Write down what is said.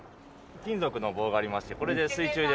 金属の棒がありましてこれで水中で。